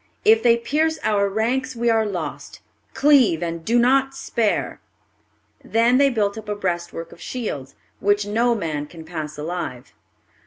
If they pierce our ranks, we are lost. Cleave, and do not spare!" Then they build up a breastwork of shields, which no man can pass alive.